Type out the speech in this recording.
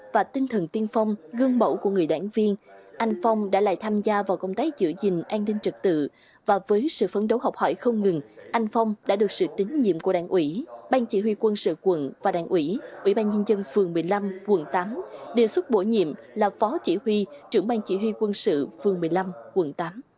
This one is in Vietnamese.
và tinh thần tiên phong gương mẫu của người đảng viên anh phong đã lại tham gia vào công tác giữ gìn an ninh trật tự và với sự phấn đấu học hỏi không ngừng anh phong đã được sự tín nhiệm của đảng ủy bang chỉ huy quân sự quận và đảng ủy ủy ban nhân dân phường một mươi năm quận tám đề xuất bổ nhiệm là phó chỉ huy trưởng bang chỉ huy quân sự phường một mươi năm quận tám